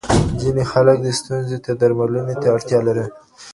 ځینې خلک دې ستونزې ته درملنې ته اړتیا لري.